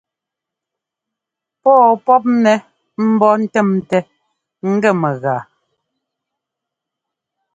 Pɔ̂ɔ pɔ́pnɛ ḿbó ńtɛ́mtɛ ngɛ mɛgaa.